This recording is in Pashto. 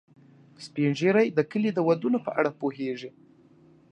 سپین ږیری د کلي د دودونو په اړه پوهیږي